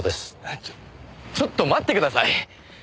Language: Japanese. えっちょっちょっと待ってください。